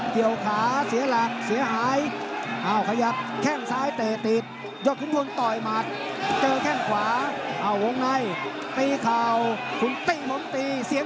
เดี๋ยวหนีบได้แล้วเมื่อกี้